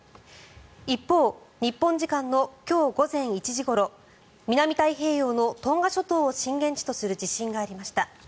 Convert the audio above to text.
一方日本時間の今日午前１時ごろ南太平洋のトンガ諸島を震源地とする地震がありました。